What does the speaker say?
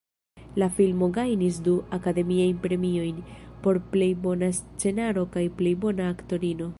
La filmo gajnis du Akademiajn Premiojn, por plej bona scenaro kaj plej bona aktorino.